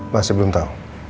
masih belum tau